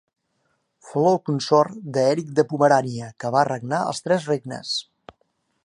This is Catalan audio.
Fou la consort d'Eric de Pomerània, que va regnar als tres regnes.